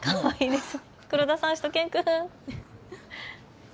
黒田さん、しゅと犬くん。